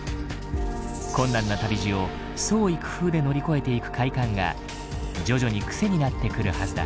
困難な旅路を創意工夫で乗り越えていく快感が徐々に癖になってくるはずだ。